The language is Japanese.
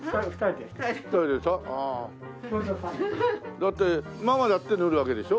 だってママだって塗るわけでしょ？